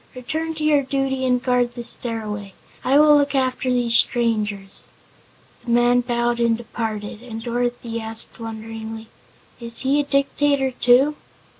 "Return to your duty and guard the Stairway. I will look after these strangers." The man bowed and departed, and Dorothy asked wonderingly: "Is he a Dictator, too?"